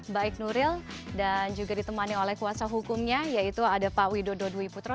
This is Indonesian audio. baik nuril dan juga ditemani oleh kuasa hukumnya yaitu ada pak widodo dwi putra